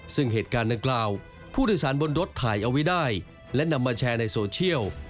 ซึ่งเหตุการณ์ดังกล่าวผู้โดยสารบนรถถ่ายเอาไว้ได้และนำมาแชร์ในโซเชียล